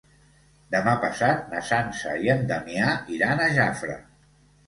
Demà passat na Sança i en Damià iran a Jafre.